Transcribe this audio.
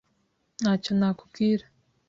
Ntacyo nakubwira.